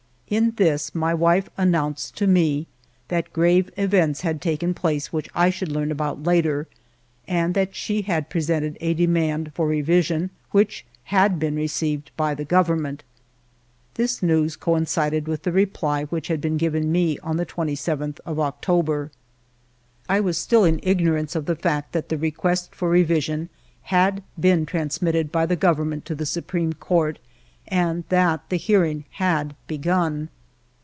In this my wife announced to me that grave events had taken place which I should learn about later, and that she had pre sented a demand for revision, which had been received by the Government. This news coincided with the reply which had been given me on the 27th of October. I was still in ignorance of the fact that the re quest for revision had been transmitted by the Government to the Supreme Court and that the hearing had begun.